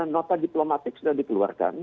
nota diplomatik sudah dikeluarkan